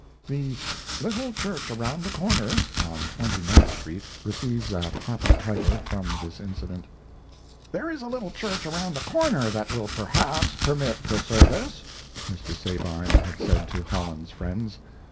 ] The "Little Church Around the Corner" on Twenty ninth Street received that happy title from this incident. "There is a little church around the corner that will, perhaps, permit the service," Mr. Sabine had said to Holland's friends.